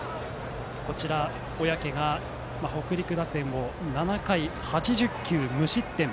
小宅が北陸打線を７回８０球、無失点。